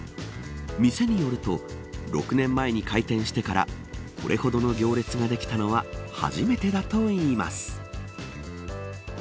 店によると６年前に開店してからこれほどの行列ができたのは初めてだといいます。